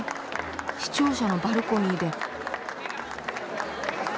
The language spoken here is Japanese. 市庁舎のバルコニーで。